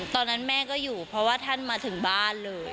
ตอนนั้นแม่ก็อยู่เพราะว่าท่านมาถึงบ้านเลย